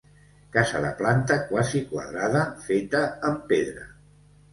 Casa de planta quasi quadrada, feta amb pedra.